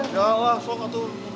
ya allah gosong ngetuh